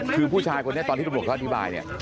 คือผู้ชายคนนี้ตอนที่ตำรวจเขาอธิบายเนี่ย